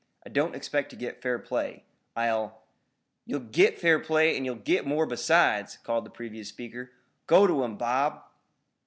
"I don't expect to get fair play. I'll " "You'll git fair play and you'll git more besides," called the previous speaker. "Go to him, Bob."